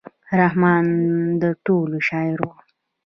رحمان د ټولو شاعر و.